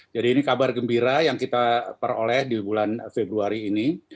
jadi ini kabar gembira yang kita peroleh di bulan februari ini